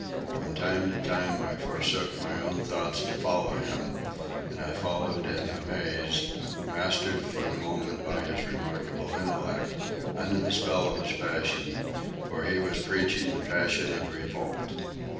From time to time I forsook my own thoughts to follow him, and I followed in amaze, mastered for the moment by his remarkable intellect, under the spell of his passion, for he was preaching the passion of revolt.